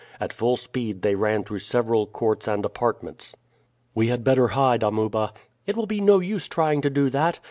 At full speed they ran through several courts and apartments. "We had better hide, Amuba." "It will be no use trying to do that.